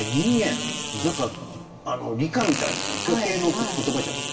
何か理科みたいな理科系の言葉じゃない？